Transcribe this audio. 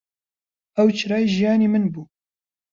ئەو چرای ژیانی من بوو.